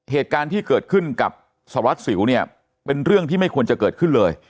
เหตุการณ์ที่เกิดขึ้นกับสารวัสสิวเนี่ยเป็นเรื่องที่ไม่ควรจะเกิดขึ้นเลย